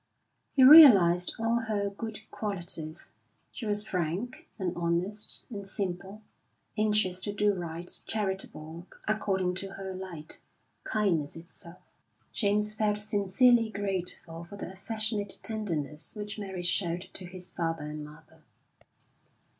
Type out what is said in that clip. He realised all her good qualities; she was frank, and honest, and simple; anxious to do right; charitable according to her light; kindness itself. James felt sincerely grateful for the affectionate tenderness which Mary showed to his father and mother.